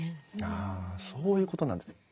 あそういうことなんですね。